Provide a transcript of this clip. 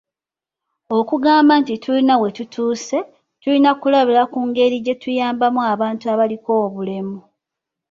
Okugamba nti tulina we tutuuse, tulina kulabira ku ngeri gye tuyambamu abantu abaliko obulemu.